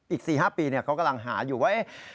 อีก๔๕ปีเขากำลังหาอยู่ว่า